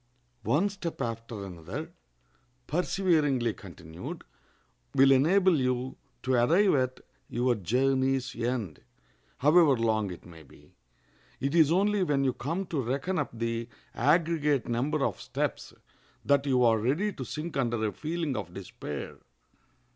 One step after another, perseveringly continued, will enable you to arrive at your journey's end, however long it may be. It is only when you come to reckon up the aggregate number of steps that you are ready to sink under a feeling of despair.